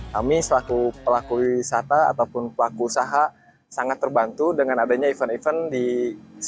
kami selaku pelaku wisata ataupun pelaku usaha sangat terbantu dengan adanya event event di indonesia